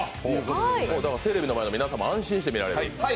テレビの前の皆様、安心して見られると。